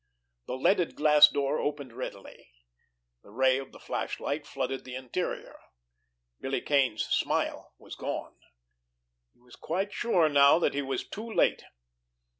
The leaded glass door opened readily. The ray of the flashlight flooded the interior. Billy Kane's smile was gone. He was quite sure now that he was too late.